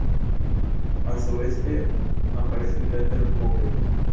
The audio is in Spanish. Al suroeste aparece el cráter Vogel.